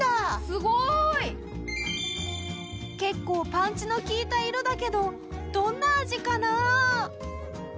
すごい！結構パンチの効いた色だけどどんな味かなあ？